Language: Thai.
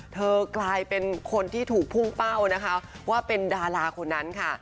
กลายเป็นคนที่ถูกพุ่งเป้านะคะว่าเป็นดาราคนนั้นค่ะ